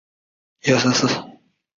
腾越紫菀为菊科紫菀属下的一个种。